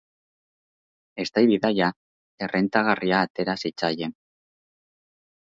Eztai bidaia errentagarria atera zitzaien.